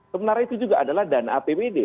sementara itu juga adalah dana apbd